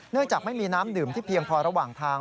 จากไม่มีน้ำดื่มที่เพียงพอระหว่างทาง